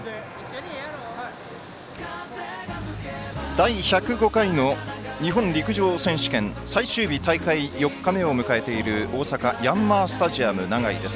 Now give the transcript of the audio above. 第１０５回の日本陸上選手権最終日大会４日目を迎えている大阪ヤンマースタジアム長居です。